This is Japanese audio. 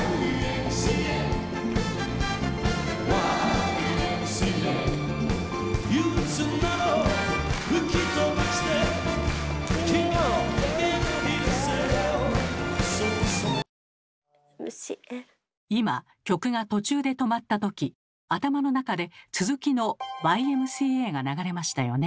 Ｍ．Ｃ．Ａ．今曲が途中で止まったとき頭の中で続きの「Ｙ．Ｍ．Ｃ．Ａ．」が流れましたよね？